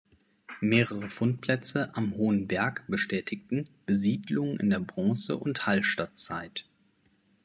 Mehrere Fundplätze am Hohen Berg bestätigten Besiedlungen in der Bronze- und Hallstattzeit.